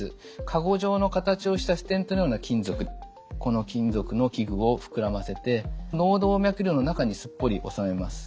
カゴ状の形をしたステントのような金属この金属の器具を膨らませて脳動脈瘤の中にすっぽり収めます。